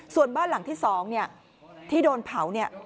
ส่วนบ้านหลังที่๒ที่โดนเผาเนี่ย